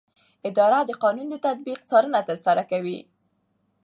اداره د قانون د تطبیق څارنه ترسره کوي.